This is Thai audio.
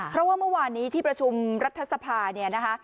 เพราะว่าเมื่อวานนี้ที่ประชุมรัฐสภาเนี่ยนะคะ